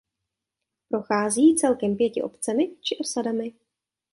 Prochází celkem pěti obcemi či osadami.